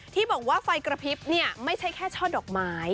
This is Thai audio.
ที่บอกว่าไฟกระพริบไม่ใช่แค่ช่อดอกไม้